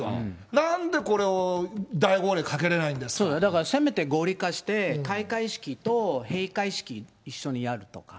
なんでこれを、せめて合理化して、開会式と閉会式、一緒にやるとか。